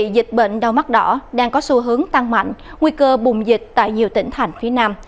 dịch bệnh đau mắt đỏ đang có xu hướng tăng mạnh nguy cơ bùng dịch tại nhiều tỉnh thành phía nam